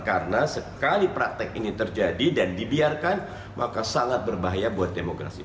karena sekali praktek ini terjadi dan dibiarkan maka sangat berbahaya bagi demokrasi